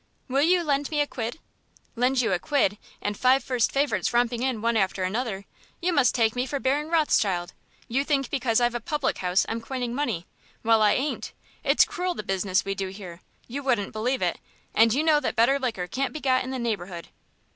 "Will you lend me a quid?" "Lend you a quid and five first favourites romping in one after another! you must take me for Baron Rothschild. You think because I've a public house I'm coining money; well, I ain't. It's cruel the business we do here. You wouldn't believe it, and you know that better liquor can't be got in the neighbourhood."